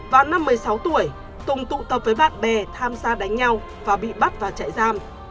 vào năm một mươi sáu tuổi tùng tụ tập với bạn bè tham gia đánh nhau và bị bắt vào trại giam